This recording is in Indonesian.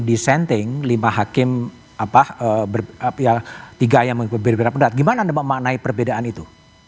dissenting lima hakim apa ya tiga yang berbeda beda pendat gimana anda memaknai perbedaan itu